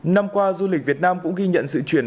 năm qua du lịch việt nam cũng ghi nhận sự chuyển